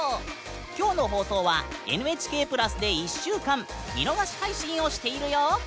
きょうの放送は「ＮＨＫプラス」で１週間見逃し配信をしているよ！